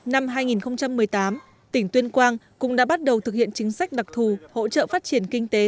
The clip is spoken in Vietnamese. năm hai nghìn một mươi tám tỉnh tuyên quang cũng đã bắt đầu thực hiện chính sách đặc thù hỗ trợ phát triển kinh tế